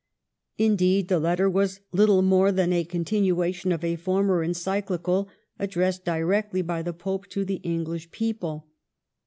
Indeed, the letter was little more than a continuation of a former Encyclical addressed directly by the Pope to the English people.